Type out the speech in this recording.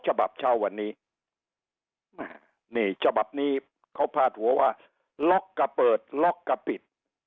ฉบับเช้าวันนี้นี่ฉบับนี้เขาพาดหัวว่าล็อกกะเปิดล็อกกะปิด